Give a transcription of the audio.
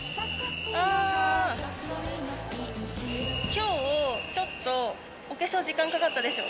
今日ちょっと、お化粧時間かかったでしょ？